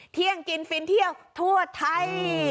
เที่ยงกินฟินเที่ยวทั่วไทย